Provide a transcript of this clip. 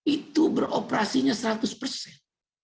itu beroperasinya seratus persen